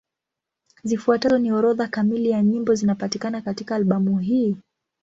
Zifuatazo ni orodha kamili ya nyimbo zinapatikana katika albamu hii.